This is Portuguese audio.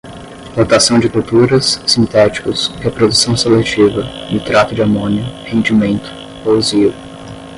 rotação de culturas, sintéticos, reprodução seletiva, nitrato de amônio, rendimento, pousio